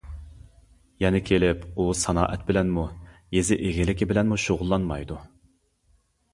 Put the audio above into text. يەنە كېلىپ ئۇ سانائەت بىلەنمۇ، يېزا ئىگىلىكى بىلەنمۇ شۇغۇللانمايدۇ.